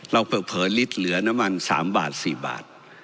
เผลอลิตรเหลือน้ำมัน๓บาท๔บาท